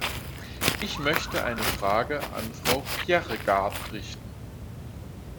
Ich möchte eine Frage an Frau Bjerregaard richten.